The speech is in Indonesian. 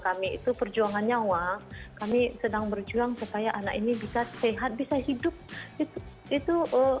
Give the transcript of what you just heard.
kami itu perjuangan nyawa kami sedang berjuang supaya anak ini bisa sehat bisa hidup itu itu